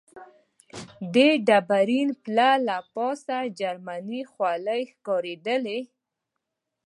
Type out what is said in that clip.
د ډبرین پله له پاسه جرمنۍ خولۍ ښکارېدلې.